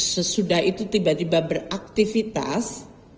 sesudah itu tiba tiba beraktivitas